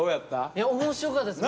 いや面白かったっす。